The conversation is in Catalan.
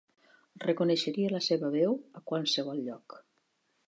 Reconeixeria la seva veu a qualsevol lloc.